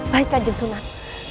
baik kanjeng sunan